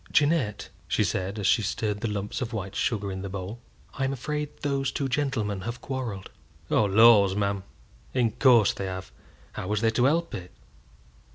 "Jeannette," she said, as she stirred the lumps of white sugar in the bowl, "I'm afraid those two gentlemen have quarrelled." "Oh, laws, ma'am, in course they have! How was they to help it?"